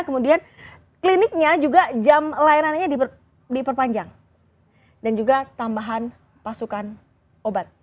kemudian kliniknya juga jam layanannya diperpanjang dan juga tambahan pasukan obat